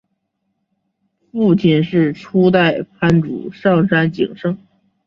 父亲是初代藩主上杉景胜。